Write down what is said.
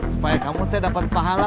supaya kamu tidak dapat pahala